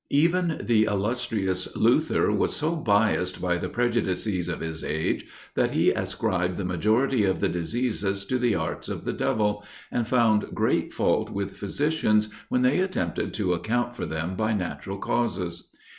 Even the illustrious Luther was so biassed by the prejudices of his age, that he ascribed the majority of the diseases to the arts of the devil, and found great fault with physicians when they attempted to account for them by natural causes.